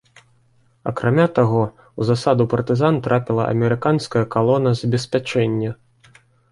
Акрамя таго, у засаду партызан трапіла амерыканская калона забеспячэння.